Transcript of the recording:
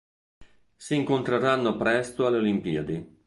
Si incontreranno presto alle Olimpiadi.